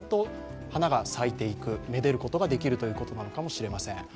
都市部を中心に点々と花が咲いていく、めでることができるということなのかもしれません。